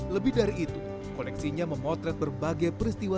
lebih dari itu koleksinya memotret berbagai pustaka